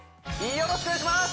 よろしくお願いします